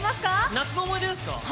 夏の思い出ですか